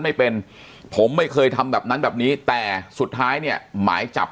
ไม่เป็นผมไม่เคยทำแบบนั้นแบบนี้แต่สุดท้ายเนี่ยหมายจับ